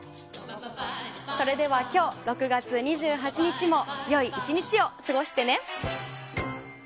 それでは今日６月２８日も良い１日を過ごしてね。